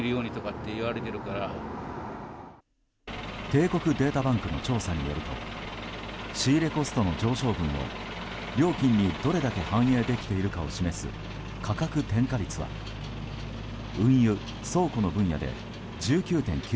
帝国データバンクの調査によると仕入れコストの上昇分を、料金にどれだけ反映できているかを示す価格転嫁率は運輸・倉庫の分野で１９．９％。